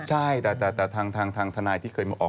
ใช่แต่ทางทางทางทันายที่เคยมาออก